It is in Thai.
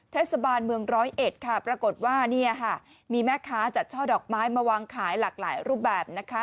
เทศบาลเมืองร้อยเอ็ดค่ะปรากฏว่าเนี่ยค่ะมีแม่ค้าจัดช่อดอกไม้มาวางขายหลากหลายรูปแบบนะคะ